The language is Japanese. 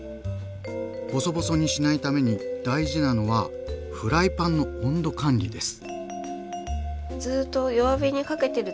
ボソボソにしないために大事なのはフライパンの温度管理です。